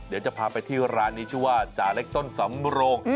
เดี๋ยวจะพาไปที่ร้านนี้ชื่อว่าจาเล็กต้นสำโรง